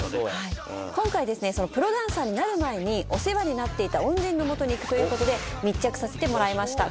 今回はですねプロダンサーになる前にお世話になっていた恩人のもとに行くということで密着させてもらいました。